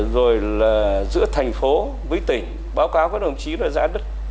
rồi là giữa thành phố với tỉnh báo cáo các đồng chí là giá đất